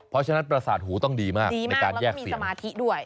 เพราะฉะนั้นประสาทหูต้องดีมากในการแยกเสียงดีมากแล้วก็มีสมาธิด้วย